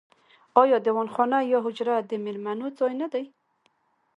آیا دیوان خانه یا حجره د میلمنو ځای نه دی؟